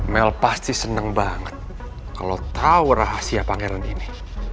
mel pasti seneng banget kalau tau rahasia pangeran ini